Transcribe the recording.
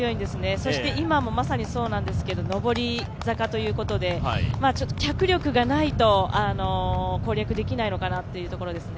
そして今もまさにそうなんですが上り坂ということで脚力がないと攻略できないのかなというところですね。